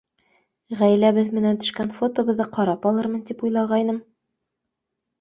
Ғаиләбеҙ менән төшкән фотобыҙҙы ҡарап алырмын тип уйлағайным.